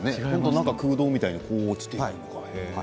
中、空洞みたいに落ちていくんですね。